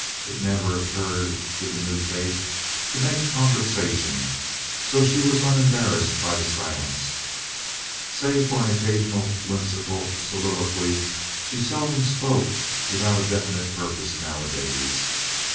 It never occurred to the new Kate to make conversation, so she was unembarrassed by the silence. Save for an occasional whimsical soliloquy, she seldom spoke without a definite purpose nowadays.